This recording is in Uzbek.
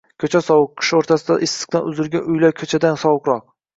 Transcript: Ko'cha sovuq, qish o'rtasida issiqdan uzilgan uylar ko'chadan sovuqroq